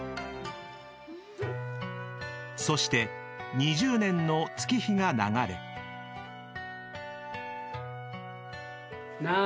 ［そして２０年の月日が流れ］なあ。